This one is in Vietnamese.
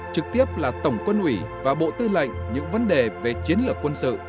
trực tiếp là tổng quân ủy và bộ tư lệnh những vấn đề về chiến lược quân sự